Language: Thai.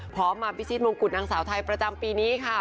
พร้อมมาพิชิตมงกุฎนางสาวไทยประจำปีนี้ค่ะ